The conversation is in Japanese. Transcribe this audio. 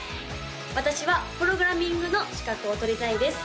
私はプログラミングの資格を取りたいです